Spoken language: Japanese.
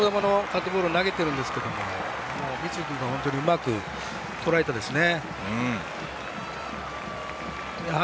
勝負球のカットボールを投げているんですけれども三井君がうまくとらえましたね。